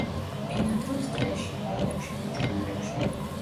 ბინადრობს ტყეში, ბაღებში, ბუჩქნარებში.